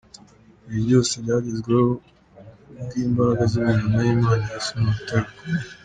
Ibi byose byagezweho ku bw’imbaraga z’imirimo y’Imana, Yesu ni urutare rukomeye.